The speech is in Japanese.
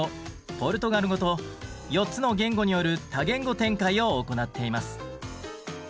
ポルトガル語と４つの言語による多言語展開を行っています。